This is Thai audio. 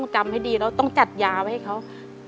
จมให้ดีแล้วจันทรัพยาไหว้ให้เขา